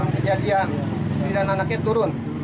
kejadian supi dan anaknya turun